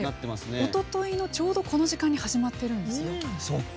おとといのちょうどこの時間に始まっているんですよ。